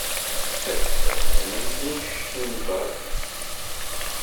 Ass-a d amenzu n Ctembeṛ.